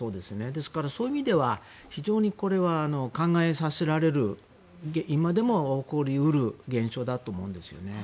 ですから、そういう意味では非常に考えさせられる今でも起こり得る現象だと思うんですね。